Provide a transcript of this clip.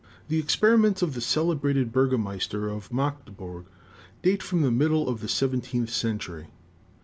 The experiments of the celebrated burgomaster of Magdeburg date from the middle of the seventeenth cen tury.